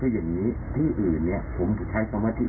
อย่างนี้ที่อื่นเนี่ยผมจะใช้คำว่าที่อื่น